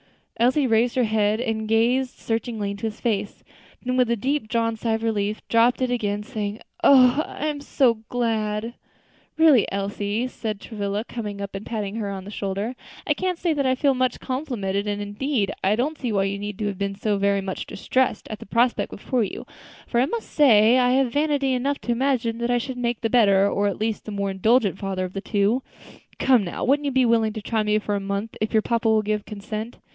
Elsie raised her head and gazed searchingly into his face; then with a deep drawn sigh of relief, dropped it again, saying, "Oh! I am so glad." "Really, Miss Elsie," said Travilla, coming up and patting her on the shoulder, "I can't say that I feel much complimented; and, indeed, I don't see why you need have been so very much distressed at the prospect before you; for I must say I have vanity enough to imagine that I should make the better or at least the more indulgent father of the two. Come, now, wouldn't you be willing to try me for a month, if your papa will give consent?"